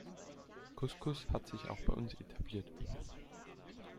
Couscous hat sich auch bei uns etabliert.